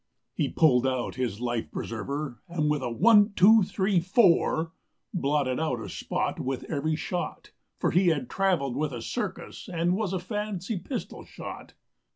He pulled out his life preserver, and with a "one, two, three, four," Blotted out a spot with every shot; For he had traveled with a circus and was a fancy pistol shot.